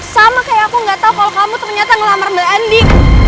sama kayak aku gak tau kalau kamu ternyata ngelamar mbak andi